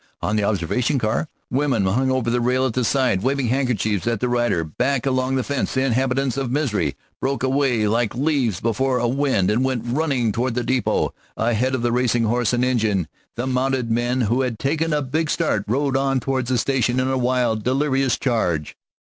On the observation car women hung over the rail at the side, waving handkerchiefs at the rider's back; along the fence the inhabitants of Misery broke away like leaves before a wind and went running toward the depot; ahead of the racing horse and engine the mounted men who had taken a big start rode on toward the station in a wild, delirious charge.